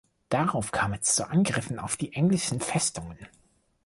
Darauf kam es zu Angriffen auf die englischen Festungen.